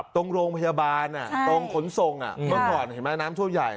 ตรงโรงพยาบาลตรงขนส่งเมื่อก่อนเห็นไหมน้ำท่วมใหญ่